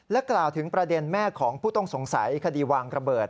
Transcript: กล่าวถึงประเด็นแม่ของผู้ต้องสงสัยคดีวางระเบิด